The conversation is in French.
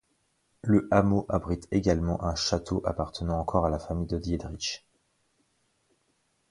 Le hameau abrite également un château appartenant encore à la famille de Dietrich.